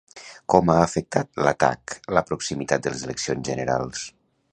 Com ha afectat l'atac la proximitat de les eleccions generals?